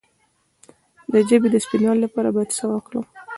د ژبې د سپینوالي لپاره باید څه وکړم؟